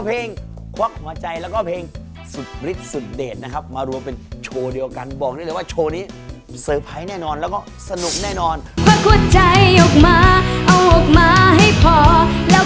พี่กลับมาหาเพราะเงินทองมากมาย